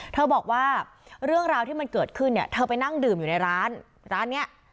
เธอบอกว่าเรื่องราวที่มันเกิดขึ้นเนี่ยเธอไปนั่งดื่มอยู่ในร้านร้านนี้